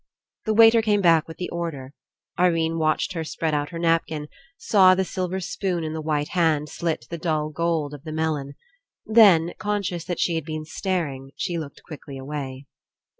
The waiter came back with the order. Irene watched her spread out her napkin, saw the silver spoon in the white hand slit the dull gold of the melon. Then, conscious that she had been staring, she looked quickly away.